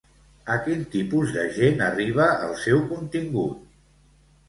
A quin tipus de gent arriba el seu contingut?